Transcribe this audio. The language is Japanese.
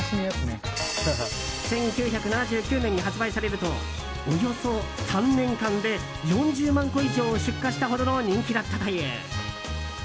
１９７９年に発売されるとおよそ３年間で４０万個以上を出荷したほどの人気だったという。